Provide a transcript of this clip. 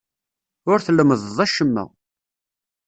Ur tlemmdeḍ acemma.